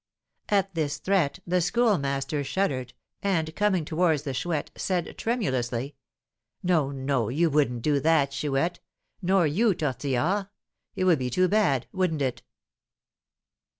At this threat the Schoolmaster shuddered, and, coming towards the Chouette, said tremulously, "No, no, you wouldn't do that, Chouette; nor you, Tortillard. It would be too bad, wouldn't it?"